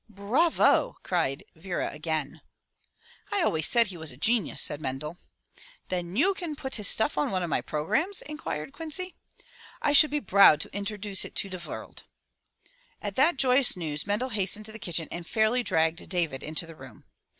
"Bravo!" cried Vera again. "I always said he was a genius!" said Mendel. "Then you can put his stuff on one of my pro grams?" inquired Quincy. " I should be broud to indroduce it to de vorld." At that joyous news Mendel hastened to the kitchen and fairly dragged David into the room.